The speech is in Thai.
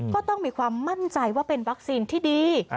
ก็ต้องมีความมั่นใจว่าเป็นวัคซีนที่ดี